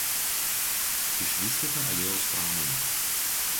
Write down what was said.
Išvystyta aliejaus pramonė.